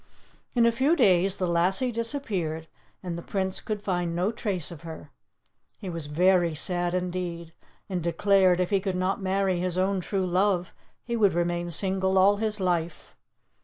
In a few days the lassie disappeared, and the Prince could find no trace of her. He was very sad, indeed, and declared if he could not marry his own true love he would remain single all his life.